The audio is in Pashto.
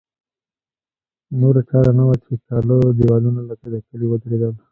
نوره چاره نه وه چې کاله دېوالونه لکه د کلي ودرېدل.